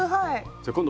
じゃあ今度